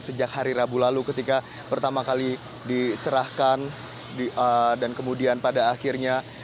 sejak hari rabu lalu ketika pertama kali diserahkan dan kemudian pada akhirnya